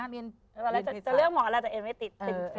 ตอนแรกจะเลือกหมออะไรแต่เอ็นไม่ติด